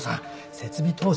設備投資。